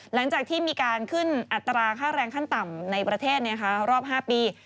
หลังจากที่มีการขึ้นอัตราค่าแรงขั้นต่ำในประเทศรอบ๕ปี